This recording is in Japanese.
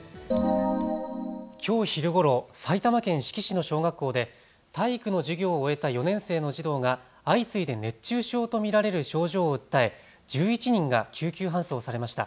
きょう昼ごろ、埼玉県志木市の小学校で体育の授業を終えた４年生の児童が相次いで熱中症と見られる症状を訴え１１人が救急搬送されました。